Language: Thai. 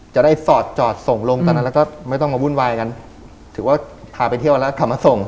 จะได้สอดจอดส่งลงตอนนั้นแล้วก็ไม่ต้องมาวุ่นวายกันถือว่าพาไปเที่ยวแล้วกลับมาส่ง